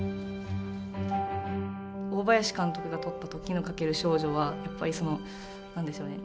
大林監督が撮った「時をかける少女」はやっぱりその何でしょうね。